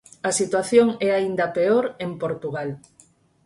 A situación é aínda peor en Portugal.